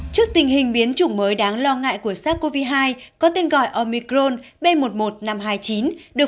trước tình hình biến chủng mới đáng lo ngại của sars cov hai có tên gọi omicron b một mươi một năm trăm hai mươi chín